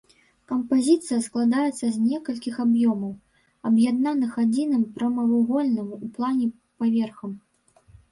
Кампазіцыя складаецца з некалькіх аб'ёмаў, аб'яднаных адзіным прамавугольным у плане паверхам.